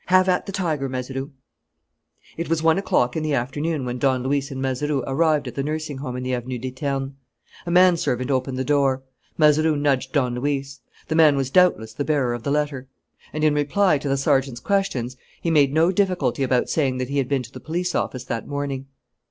Have at the tiger, Mazeroux!" It was one o'clock in the afternoon when Don Luis and Mazeroux arrived at the nursing home in the Avenue des Ternes. A manservant opened the door. Mazeroux nudged Don Luis. The man was doubtless the bearer of the letter. And, in reply to the sergeant's questions, he made no difficulty about saying that he had been to the police office that morning.